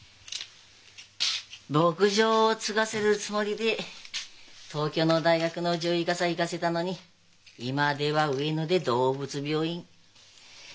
牧場を継がせるつもりで東京の大学の獣医科さ行かせたのに今では上野で動物病院。